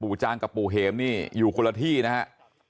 ปู่จางกับปู่เหมนี่อยู่คนละที่นะครับ